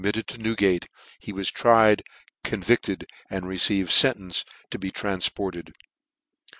itted to Newgate, he was tried, convicted, and received fcntence to be tranfported.